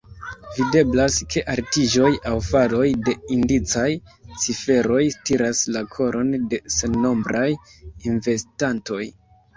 Videblas, ke altiĝoj aŭ faloj de indicaj ciferoj tiras la koron de sennombraj investantoj.